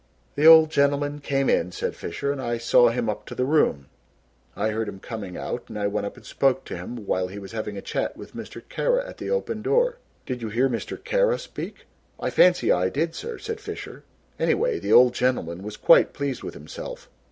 "The old gentleman came in," said Fisher, "and I saw him up to the room. I heard him coming out and I went up and spoke to him while he was having a chat with Mr. Kara at the open door." "Did you hear Mr. Kara speak?" "I fancy I did, sir," said Fisher; "anyway the old gentleman was quite pleased with himself."